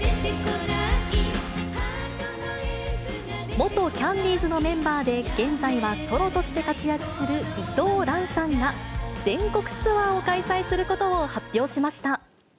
元キャンディーズのメンバーで、現在はソロとして活躍する伊藤蘭さんが、全国ツアーを開催することを発表しました。